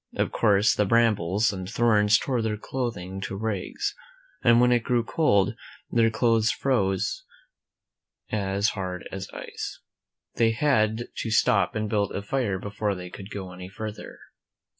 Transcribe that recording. Of course, the brambles and thorns tore their clothing to rags, and when it grew cold, their clothes froze as hard as ice. Then they had to stop and build a fire before they could go any further.